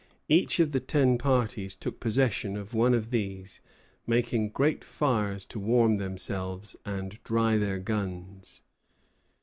Each of the ten parties took possession of one of these, making great fires to warm themselves and dry their guns.